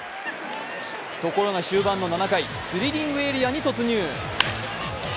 ところが終盤の７回、スリリングエリアに突入。